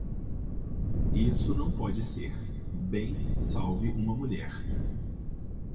Isso não pode ser, bem salve uma mulher.